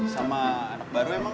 sama anak baru emang